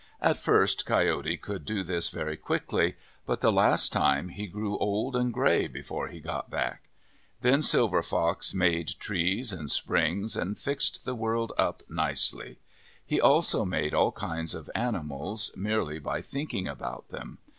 At first Coyote could do this very quickly ; but the last time he grew old and gray before he got back. Then Silver Fox made trees and springs and fixed the world up nicely. He also made all kinds of animals, merely by thinking about them.